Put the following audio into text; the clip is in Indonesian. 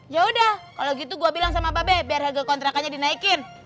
ya udah kalau gitu gue bilang sama babe biar harga kontrakannya dinaikin